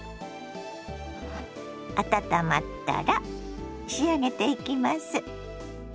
温まったら仕上げていきます。